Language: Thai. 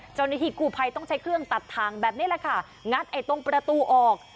เจ้าหน้าที่กู้ภัยต้องใช้เครื่องตัดทางแบบนี้แหละค่ะงัดไอ้ตรงประตูออก